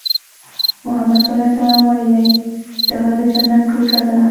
محمد ص ویلي دغه د جنت ټوټه ده.